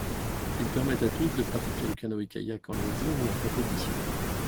Il permet à tous de pratiquer le canoë-kayak en loisir ou en compétition.